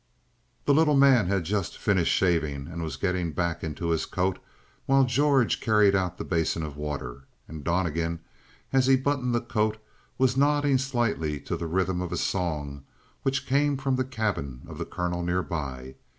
The little man had just finished shaving and was getting back into his coat while George carried out the basin of water. And Donnegan, as he buttoned the coat, was nodding slightly to the rhythm of a song which came from the cabin of the colonel near by.